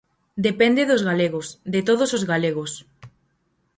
Depende dos galegos, de todos os galegos.